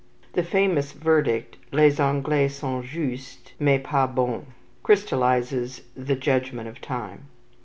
The famous verdict, "Les Anglais sont justes, mais pas bons," crystallizes the judgment of time.